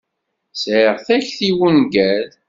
Sɛiɣ takti i wungal.